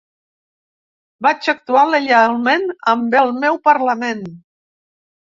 Vaig actuar lleialment amb el meu parlament.